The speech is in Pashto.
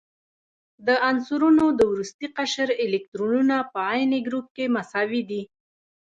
د عنصرونو د وروستي قشر الکترونونه په عین ګروپ کې مساوي دي.